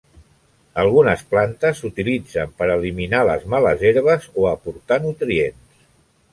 Algunes plantes s'utilitzen per eliminar les males herbes o aportar nutrients.